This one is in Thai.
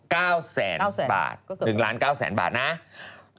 เป็นจำนวนเงิน๑๙ล้านบาท